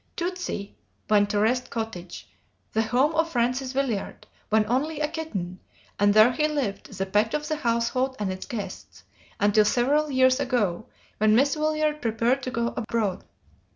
"Tootsie" went to Rest Cottage, the home of Frances Willard, when only a kitten, and there he lived, the pet of the household and its guests, until several years ago, when Miss Willard prepared to go abroad.